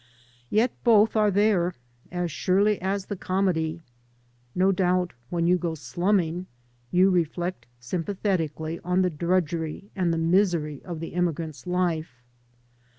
Yet both are there as surely as the comedy. No doubt, when you go slumming, you reflect sympa thetically on the drudgery and the misery of the immi grant's life.